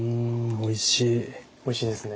おいしいですね。